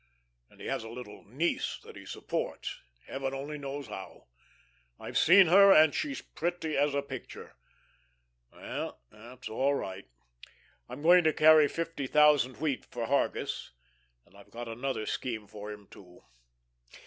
And he has a little niece that he supports, heaven only knows how. I've seen her, and she's pretty as a picture. Well, that's all right; I'm going to carry fifty thousand wheat for Hargus, and I've got another scheme for him, too.